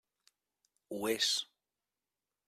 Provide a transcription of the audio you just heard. Ho és.